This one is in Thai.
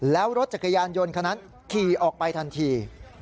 แล้วรถจักรยานยนต์คนนั้นขี่ออกไปทันที